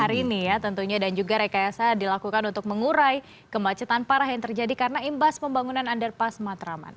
hari ini ya tentunya dan juga rekayasa dilakukan untuk mengurai kemacetan parah yang terjadi karena imbas pembangunan underpass matraman